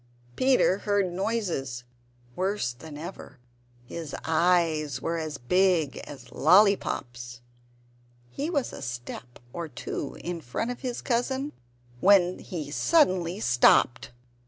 Peter heard noises worse than ever; his eyes were as big as lolly pops! He was a step or two in front of his cousin when he suddenly stopped.